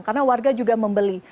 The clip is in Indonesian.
karena warga juga membeli